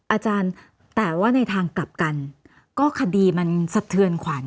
อาจารย์แต่ว่าในทางกลับกันก็คดีมันสะเทือนขวัญ